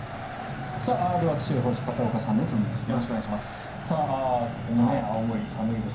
では気象予報士の片岡さんです。